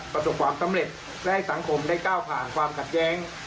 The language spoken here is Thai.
ประสบความสำเร็จและให้สังคมได้ก้าวผ่านความขัดแย้ง